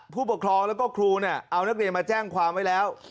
ผู้ปกครองแล้วก็ครูเอานักเรียนมาแจ้งความไว้แล้ว